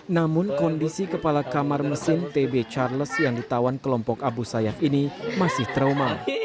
namun kondisi kepala kamar mesin tb charles yang ditawan kelompok abu sayyaf ini masih trauma